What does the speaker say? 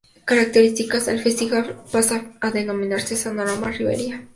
Características: El festival pasa a denominarse: "Sonorama Ribera".